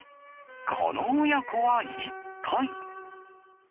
この親子は一体。